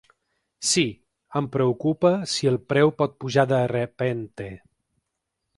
Sí, em preocupa si el preu pot pujar "de repente".